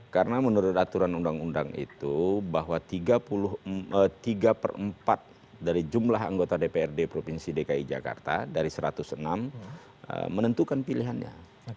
karena menurut aturan undang undang itu bahwa tiga per empat dari jumlah anggota dprd provinsi dki jakarta dari satu ratus enam menentukan pilihannya